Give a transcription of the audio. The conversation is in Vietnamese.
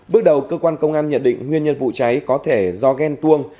bước đầu cơ quan công an nhận định nguyên nhân vụ cháy có thể do ghen tuông